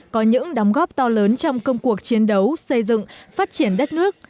có những đóng góp to lớn trong công cuộc chiến đấu xây dựng phát triển đất nước